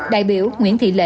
đại biểu nguyễn thị thương